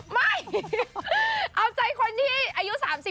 ไม่เอาใจคนที่อายุ๓๐